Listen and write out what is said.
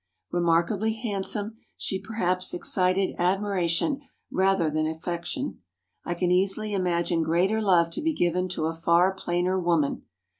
Remarkably handsome she perhaps excited admiration rather than affection. I can easily imagine greater love to be given to a far plainer woman.